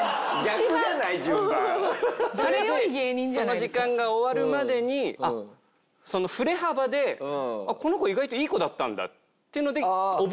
それでその時間が終わるまでにその振れ幅でこの子意外といい子だったんだっていうので覚えてもらおう。